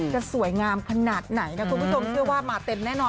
จะสวยงามขนาดไหนนะคุณผู้ชมเชื่อว่ามาเต็มแน่นอน